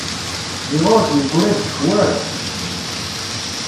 Ziɣ ur d-yegra deg-k wara!